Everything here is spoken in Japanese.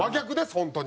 本当に。